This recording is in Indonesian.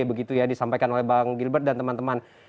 begitu ya disampaikan oleh bang gilbert dan teman teman